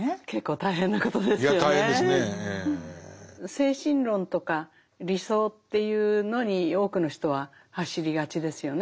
精神論とか理想っていうのに多くの人は走りがちですよね。